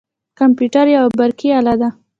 کمپیوتر یوه برقي اله ده.